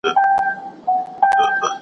له هغه وروسته يې.